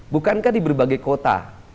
bukankah di berbagai kota